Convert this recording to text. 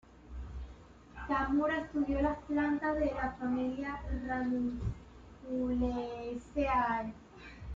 Tamura estudió las plantas de la familia Ranunculaceae.